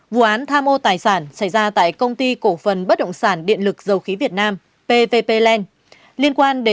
vụ án tham ô tài sản xảy ra tại công ty cổ phần bất động sản điện lực dầu khí việt nam pvp land